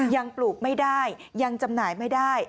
ปลูกไม่ได้ยังจำหน่ายไม่ได้